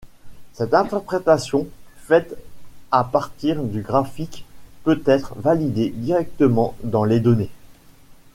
Cette interprétation faite à partir du graphique peut être validée directement dans les données.